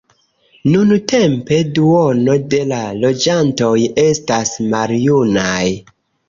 Nuntempe duono de la loĝantoj estas maljunaj.